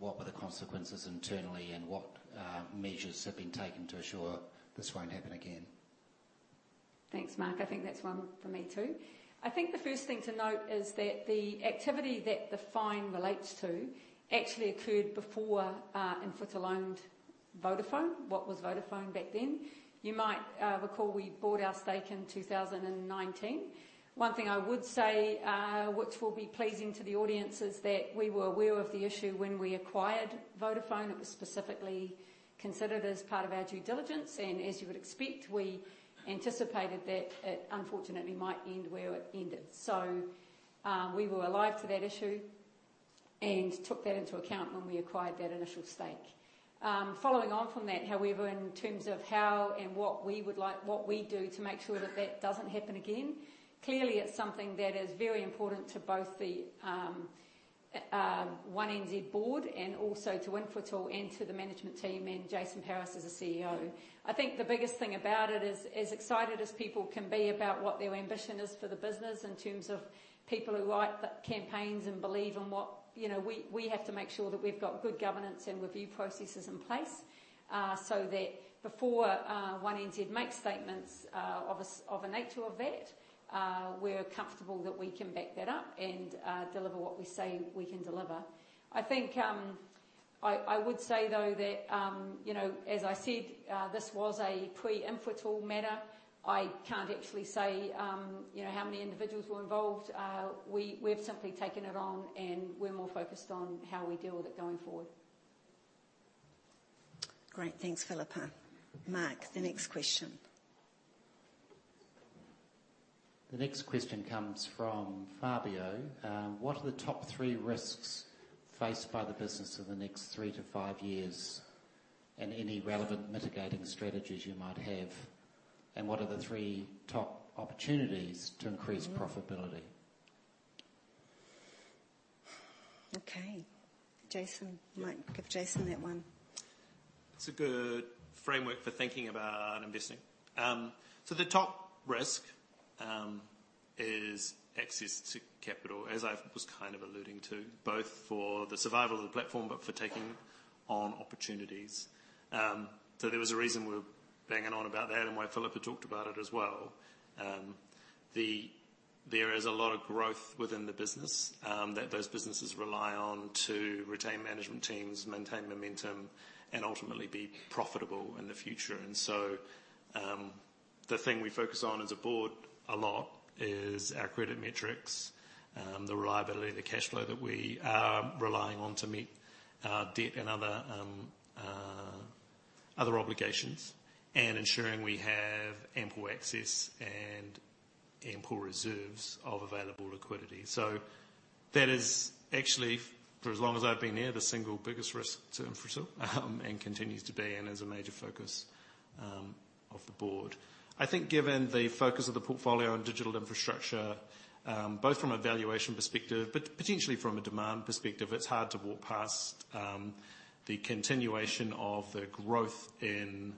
what were the consequences internally and what measures have been taken to assure this won't happen again? Thanks, Mark. I think that's one for me, too. I think the first thing to note is that the activity that the fine relates to actually occurred before Infratil owned Vodafone, what was Vodafone back then. You might recall we bought our stake in 2019. One thing I would say, which will be pleasing to the audience, is that we were aware of the issue when we acquired Vodafone. It was specifically considered as part of our due diligence, and as you would expect, we anticipated that it unfortunately might end where it ended. We were alive to that issue and took that into account when we acquired that initial stake. Following on from that, however, in terms of how and what we would like-- what we do to make sure that, that doesn't happen again, clearly it's something that is very important to both the One NZ board and also to Infratil and to the management team, and Jason Paris as the CEO. I think the biggest thing about it is, as excited as people can be about what their ambition is for the business in terms of people who like the campaigns and believe in what... You know, we, we have to make sure that we've got good governance and review processes in place, so that before One NZ makes statements of a s- of a nature of that, we're comfortable that we can back that up and deliver what we say we can deliver. I think... I, I would say, though, that, you know, as I said, this was a pre-Infratil matter. I can't actually say, you know, how many individuals were involved. We, we've simply taken it on, and we're more focused on how we deal with it going forward. Great, thanks, Phillippa. Mark, the next question. The next question comes from Fabio. "What are the top three risks faced by the business in the next 3-5 years, and any relevant mitigating strategies you might have? What are the three top opportunities to increase profitability? Okay. Alison, you might give Jason that one. It's a good framework for thinking about investing. So the top risk is access to capital, as I was kind of alluding to, both for the survival of the platform, but for taking on opportunities. So there was a reason we were banging on about that and why Phillippa talked about it as well. There is a lot of growth within the business, that those businesses rely on to retain management teams, maintain momentum, and ultimately be profitable in the future. The thing we focus on as a board a lot is our credit metrics, the reliability of the cash flow that we are relying on to meet our debt and other other obligations, and ensuring we have ample access and ample reserves of available liquidity. That is actually, for as long as I've been here, the single biggest risk to Infratil, and continues to be and is a major focus of the board. I think given the focus of the portfolio on digital infrastructure, both from a valuation perspective, but potentially from a demand perspective, it's hard to walk past the continuation of the growth in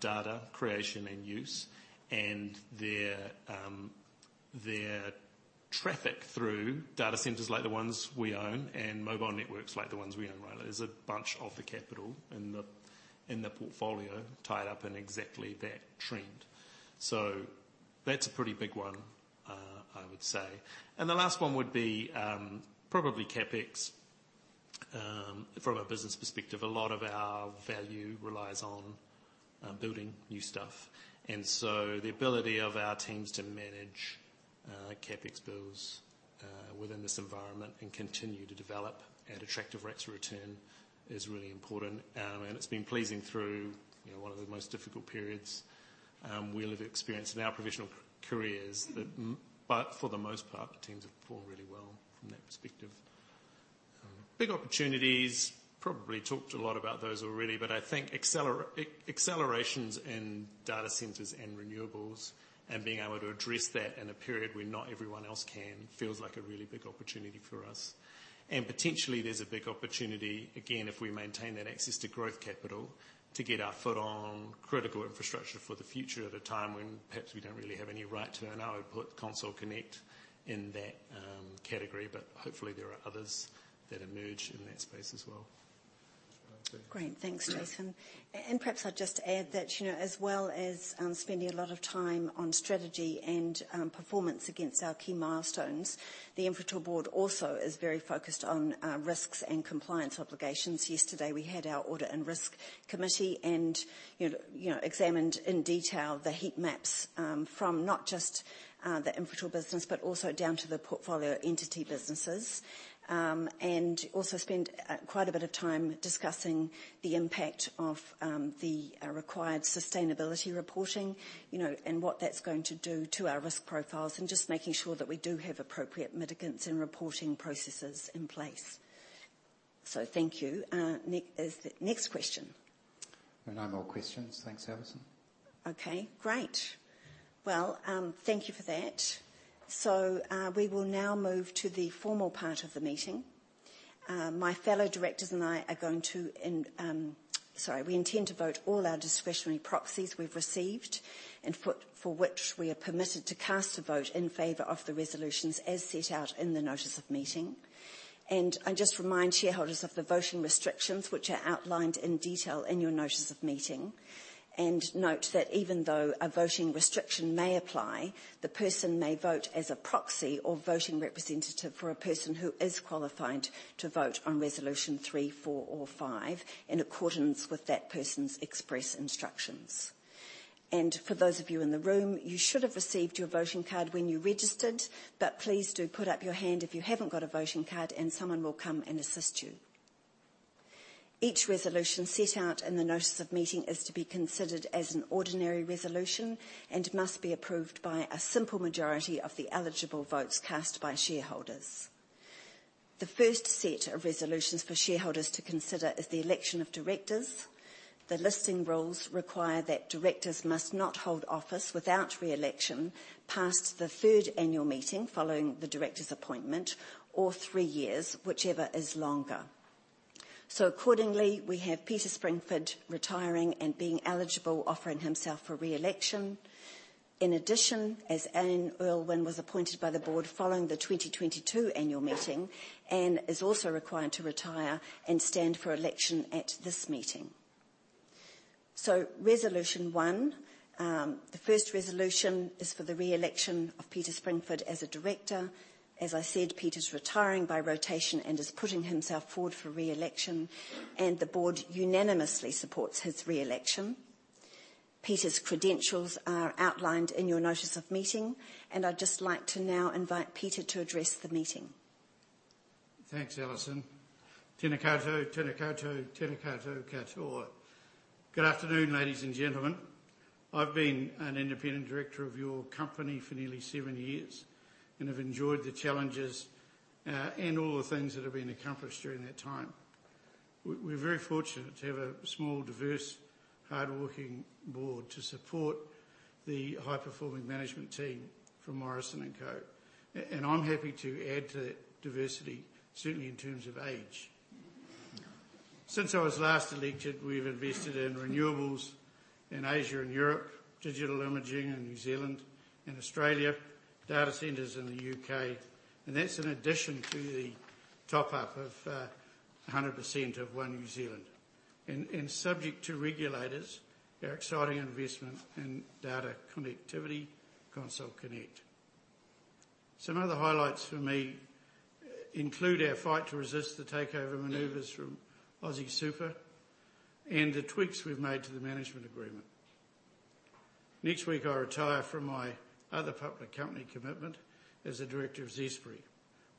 data creation and use, and their traffic through data centers like the ones we own and mobile networks like the ones we own, right? There's a bunch of the capital in the, in the portfolio tied up in exactly that trend. That's a pretty big one, I would say. The last one would be, probably CapEx. From a business perspective, a lot of our value relies on building new stuff. The ability of our teams to manage CapEx bills within this environment and continue to develop at attractive rates of return is really important. It's been pleasing through, you know, one of the most difficult periods we'll have experienced in our professional careers. For the most part, the teams have performed really well from that perspective. Big opportunities, probably talked a lot about those already, but I think accelerations in data centers and renewables, and being able to address that in a period where not everyone else can, feels like a really big opportunity for us. Potentially there's a big opportunity, again, if we maintain that access to growth capital, to get our foot on critical infrastructure for the future at a time when perhaps we don't really have any right to. I would put Console Connect in that category, but hopefully, there are others that emerge in that space as well. Great. Thanks, Jason. Perhaps I'll just add that, you know, as well as spending a lot of time on strategy and performance against our key milestones, the Infratil board also is very focused on risks and compliance obligations. Yesterday, we had our Audit and Risk Committee and, you know, examined in detail the heat maps from not just the Infratil business, but also down to the portfolio entity businesses. Also spent quite a bit of time discussing the impact of the required sustainability reporting, you know, and what that's going to do to our risk profiles, and just making sure that we do have appropriate mitigants and reporting processes in place. Thank you. Is the next question? There are no more questions. Thanks, Alison. Okay, great. Well, thank you for that. We will now move to the formal part of the meeting. My fellow directors and I are going to, and sorry, we intend to vote all our discretionary proxies we've received, and for, for which we are permitted to cast a vote in favor of the resolutions as set out in the notice of meeting. I just remind shareholders of the voting restrictions, which are outlined in detail in your notice of meeting.... and note that even though a voting restriction may apply, the person may vote as a proxy or voting representative for a person who is qualified to vote on Resolution 3, 4, or 5 in accordance with that person's express instructions. For those of you in the room, you should have received your voting card when you registered, but please do put up your hand if you haven't got a voting card, and someone will come and assist you. Each resolution set out in the Notice of Meeting is to be considered as an ordinary resolution and must be approved by a simple majority of the eligible votes cast by shareholders. The first set of resolutions for shareholders to consider is the election of directors. The listing rules require that directors must not hold office without re-election past the third annual meeting following the director's appointment, or three years, whichever is longer. Accordingly, we have Peter Springford retiring and being eligible, offering himself for re-election. In addition, as Anne Urlwin was appointed by the board following the 2022 annual meeting, Anne is also required to retire and stand for election at this meeting. Resolution One, the first resolution is for the re-election of Peter Springford as a director. As I said, Peter's retiring by rotation and is putting himself forward for re-election, and the board unanimously supports his re-election. Peter's credentials are outlined in your notice of meeting, and I'd just like to now invite Peter to address the meeting. Thanks, Alison. Tena koutou, tena koutou, tena koutou katoa. Good afternoon, ladies and gentlemen. I've been an independent director of your company for nearly seven years and have enjoyed the challenges, and all the things that have been accomplished during that time. We, we're very fortunate to have a small, diverse, hard-working board to support the high-performing management team from Morrison & Co. I'm happy to add to that diversity, certainly in terms of age. Since I was last elected, we've invested in renewables in Asia and Europe, digital imaging in New Zealand and Australia, data centers in the UK, and that's in addition to the top-up of 100% of One New Zealand. Subject to regulators, our exciting investment in data connectivity, Console Connect. Some other highlights for me include our fight to resist the takeover maneuvers from Aussie Super and the tweaks we've made to the management agreement. Next week, I retire from my other public company commitment as a director of Zespri,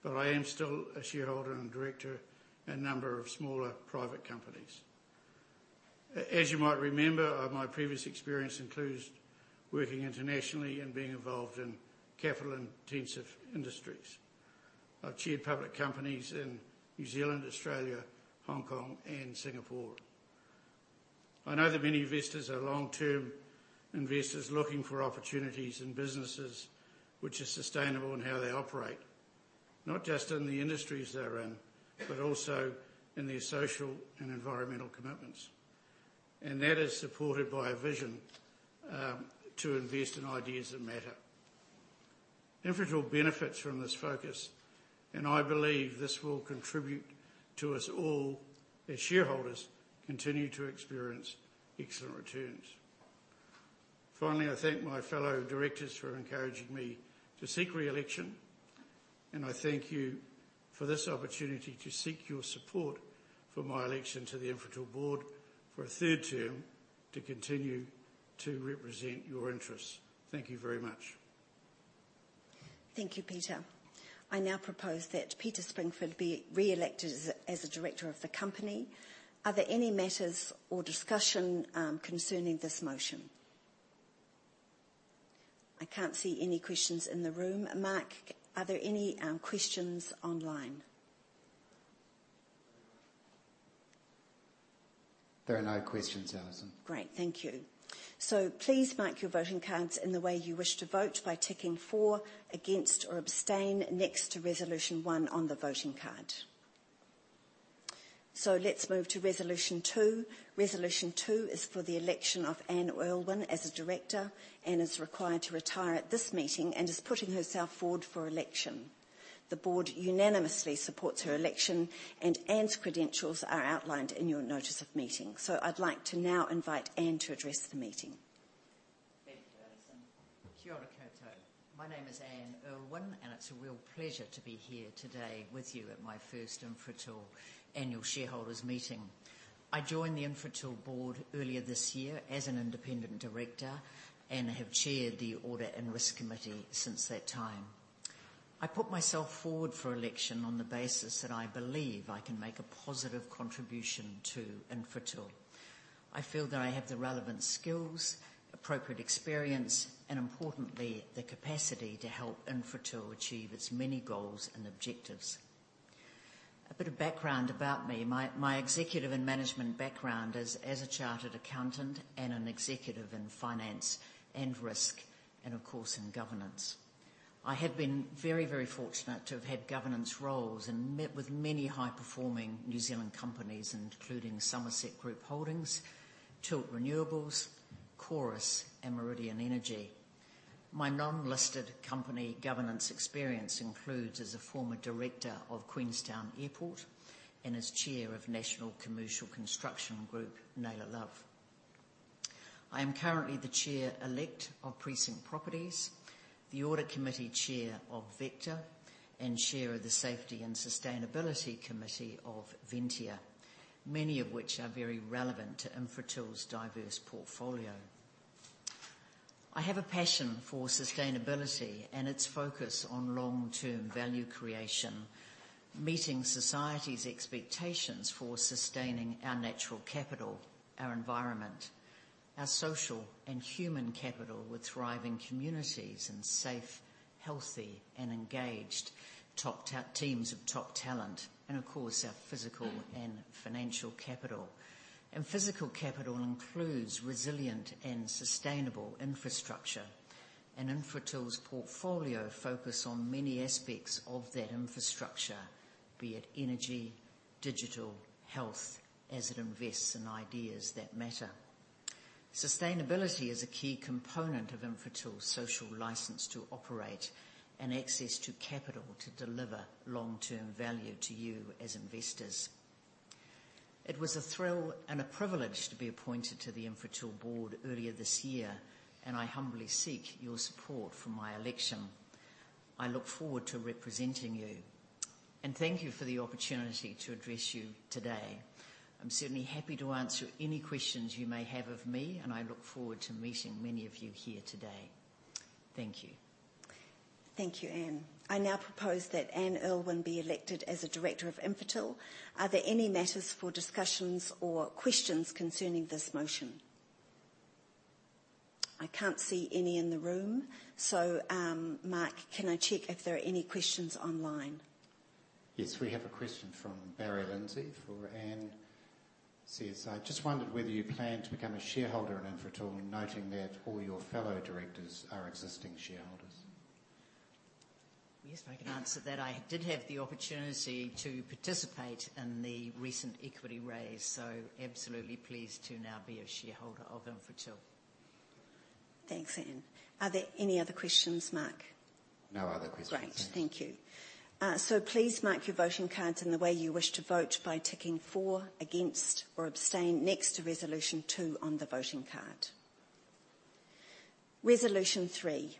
but I am still a shareholder and director in a number of smaller private companies. As you might remember, my previous experience includes working internationally and being involved in capital-intensive industries. I've chaired public companies in New Zealand, Australia, Hong Kong, and Singapore. I know that many investors are long-term investors looking for opportunities in businesses which are sustainable in how they operate, not just in the industries they're in, but also in their social and environmental commitments, and that is supported by a vision to invest in ideas that matter. Infratil benefits from this focus, I believe this will contribute to us all, as shareholders continue to experience excellent returns. Finally, I thank my fellow directors for encouraging me to seek re-election, and I thank you for this opportunity to seek your support for my election to the Infratil board for a third term, to continue to represent your interests. Thank you very much. Thank you, Peter. I now propose that Peter Springford be re-elected as a, as a director of the company. Are there any matters or discussion, concerning this motion? I can't see any questions in the room. Mark, are there any, questions online? There are no questions, Alison. Great, thank you. Please mark your voting cards in the way you wish to vote by ticking For, Against, or Abstain next to Resolution 1 on the voting card. Let's move to Resolution 2. Resolution 2 is for the election of Anne Urlwin as a director. Anne is required to retire at this meeting and is putting herself forward for election. The board unanimously supports her election, and Anne's credentials are outlined in your notice of meeting. I'd like to now invite Anne to address the meeting. Thank you, Alison. Kia ora koutou. My name is Anne Urlwin, and it's a real pleasure to be here today with you at my first Infratil annual shareholders' meeting. I joined the Infratil board earlier this year as an independent director and have chaired the Audit and Risk Committee since that time. I put myself forward for election on the basis that I believe I can make a positive contribution to Infratil. I feel that I have the relevant skills, appropriate experience, and importantly, the capacity to help Infratil achieve its many goals and objectives. A bit of background about me. My, my executive and management background is as a chartered accountant and an executive in finance and risk, and of course, in governance. I have been very, very fortunate to have had governance roles and met with many high-performing New Zealand companies, including Summerset Group Holdings, Tilt Renewables, Chorus, and Meridian Energy. My non-listed company governance experience includes as a former director of Queenstown Airport and as chair of National Commercial Construction Group, Naylor Love. I am currently the chair elect of Precinct Properties, the audit committee chair of Vector, and chair of the Safety and Sustainability Committee of Ventia, many of which are very relevant to Infratil's diverse portfolio. I have a passion for sustainability and its focus on long-term value creation, meeting society's expectations for sustaining our natural capital, our environment, our social and human capital with thriving communities and safe, healthy, and engaged teams of top talent, and of course, our physical and financial capital. Physical capital includes resilient and sustainable infrastructure, and Infratil's portfolio focus on many aspects of that infrastructure, be it energy, digital, health, as it invests in ideas that matter. Sustainability is a key component of Infratil's social license to operate and access to capital to deliver long-term value to you as investors. It was a thrill and a privilege to be appointed to the Infratil board earlier this year, and I humbly seek your support for my election. I look forward to representing you, and thank you for the opportunity to address you today. I'm certainly happy to answer any questions you may have of me, and I look forward to meeting many of you here today. Thank you. Thank you, Anne. I now propose that Anne Urlwin be elected as a director of Infratil. Are there any matters for discussions or questions concerning this motion? I can't see any in the room, Mark, can I check if there are any questions online? Yes, we have a question from Barry Lindsay for Anne. Says, "I just wondered whether you plan to become a shareholder in Infratil, noting that all your fellow directors are existing shareholders? Yes, I can answer that. I did have the opportunity to participate in the recent equity raise, so absolutely pleased to now be a shareholder of Infratil. Thanks, Anne. Are there any other questions, Mark? No other questions. Great. Thank you. Please mark your voting cards in the way you wish to vote by ticking for, against, or abstain next to Resolution 2 on the voting card. Resolution 3,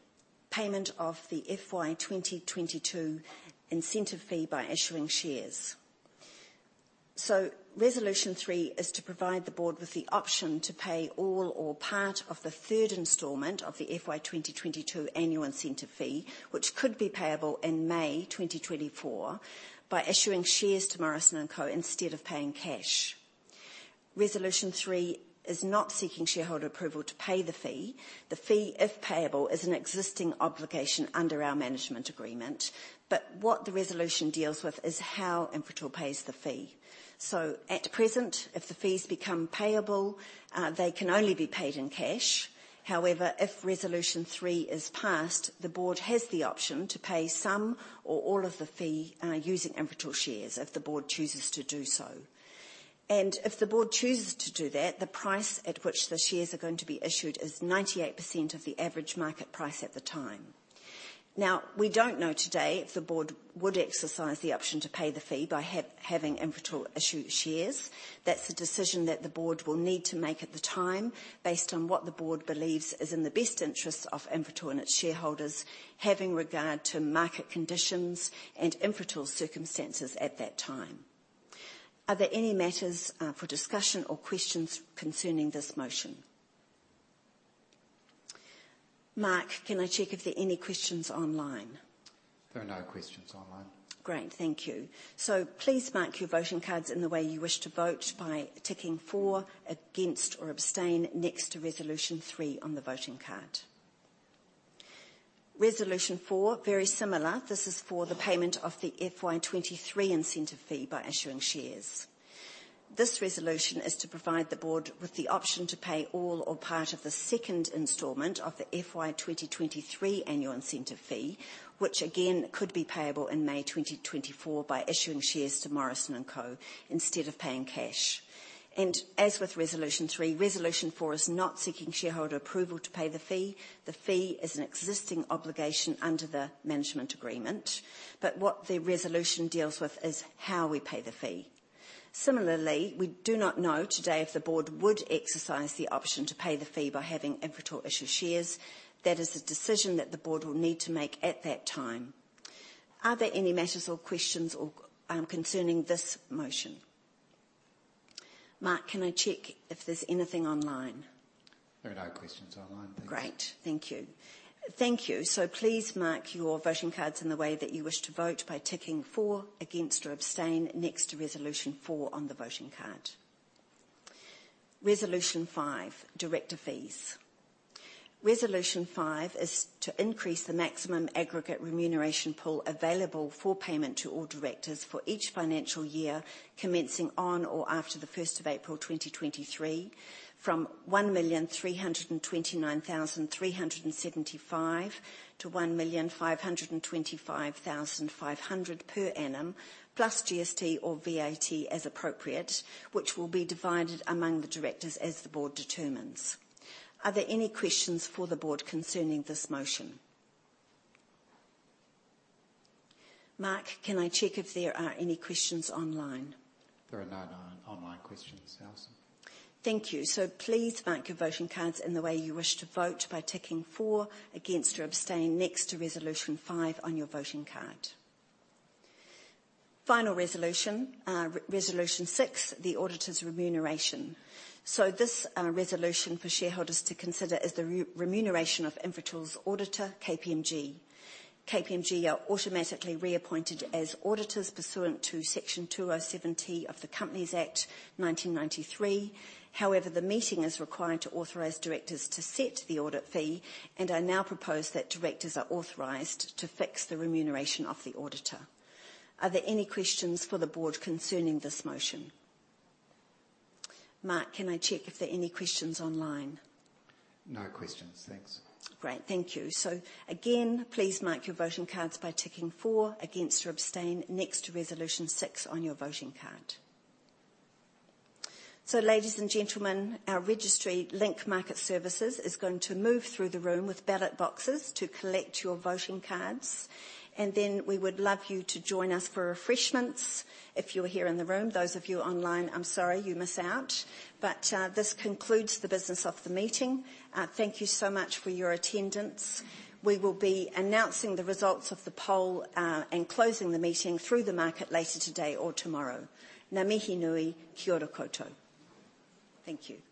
payment of the FY22 incentive fee by issuing shares. Resolution 3 is to provide the board with the option to pay all or part of the third installment of the FY22 annual incentive fee, which could be payable in May 2024, by issuing shares to Morrison & Co. instead of paying cash. Resolution 3 is not seeking shareholder approval to pay the fee. The fee, if payable, is an existing obligation under our management agreement. What the resolution deals with is how Infratil pays the fee. At present, if the fees become payable, they can only be paid in cash. However, if resolution 3 is passed, the board has the option to pay some or all of the fee, using Infratil shares, if the board chooses to do so. If the board chooses to do that, the price at which the shares are going to be issued is 98% of the average market price at the time. Now, we don't know today if the board would exercise the option to pay the fee by having Infratil issue shares. That's a decision that the board will need to make at the time, based on what the board believes is in the best interest of Infratil and its shareholders, having regard to market conditions and Infratil's circumstances at that time. Are there any matters for discussion or questions concerning this motion? Mark, can I check if there are any questions online? There are no questions online. Great. Thank you. Please mark your voting cards in the way you wish to vote by ticking for, against, or abstain next to Resolution 3 on the voting card. Resolution 4, very similar. This is for the payment of the FY23 incentive fee by issuing shares. This resolution is to provide the board with the option to pay all or part of the second installment of the FY23 annual incentive fee, which again, could be payable in May 2024 by issuing shares to Morrison & Co. instead of paying cash. As with Resolution 3, Resolution 4 is not seeking shareholder approval to pay the fee. The fee is an existing obligation under the management agreement. What the resolution deals with is how we pay the fee. Similarly, we do not know today if the board would exercise the option to pay the fee by having Infratil issue shares. That is a decision that the board will need to make at that time. Are there any matters or questions or concerning this motion? Mark, can I check if there's anything online? There are no questions online, thanks. Great. Thank you. Thank you. Please mark your voting cards in the way that you wish to vote by ticking for, against, or abstain next to Resolution 4 on the voting card. Resolution 5, director fees. Resolution 5 is to increase the maximum aggregate remuneration pool available for payment to all directors for each financial year, commencing on or after the 1st of April 2023, from 1,329,375 to 1,525,500 per annum, plus GST or VAT as appropriate, which will be divided among the directors as the board determines. Are there any questions for the board concerning this motion? Mark, can I check if there are any questions online? There are no, online questions, Alison. Thank you. Please mark your voting cards in the way you wish to vote by ticking for, against, or abstain next to Resolution 5 on your voting card. Final Resolution 6, the auditor's remuneration. This resolution for shareholders to consider is the remuneration of Infratil's auditor, KPMG. KPMG are automatically reappointed as auditors pursuant to Section 207T of the Companies Act 1993. However, the meeting is required to authorize directors to set the audit fee, and I now propose that directors are authorized to fix the remuneration of the auditor. Are there any questions for the board concerning this motion? Mark, can I check if there are any questions online? No questions, thanks. Great. Thank you. Again, please mark your voting cards by ticking for, against, or abstain next to Resolution 6 on your voting card. Ladies and gentlemen, our registry Link Market Services, is going to move through the room with ballot boxes to collect your voting cards. Then we would love you to join us for refreshments if you're here in the room. Those of you online, I'm sorry, you miss out. This concludes the business of the meeting. Thank you so much for your attendance. We will be announcing the results of the poll, and closing the meeting through the market later today or tomorrow. Ngā mihi nui, kia ora koutou. Thank you.